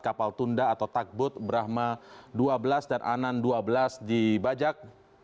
kapal tunda atau takbut brahma dua belas dan anan dua belas dibajak